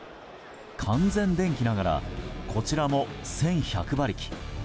完全電気ながらこちらも１１００馬力。